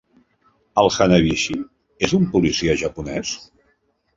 El Hanabishi és un policia japonès?